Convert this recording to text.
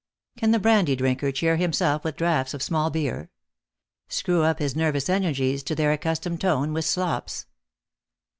Can the brandy drinker cheer himself with draughts of small beer ? Screw up his nervous energies to their ac customed tone with slops?